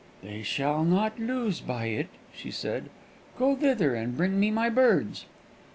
"They shall not lose by it," she said. "Go thither, and bring me my birds."